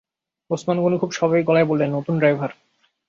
ওসমান গনি খুব স্বাভাবিক গলায় বললেন, নতুন ড্রাইভার।